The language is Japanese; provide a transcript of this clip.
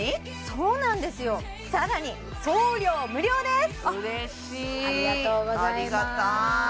そうなんですよさらに送料無料です！